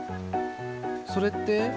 それって？